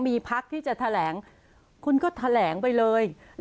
มีพักที่จะแถลงคุณก็แถลงไปเลย